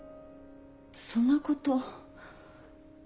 そんなこと。